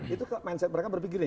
itu mindset mereka berpikir ya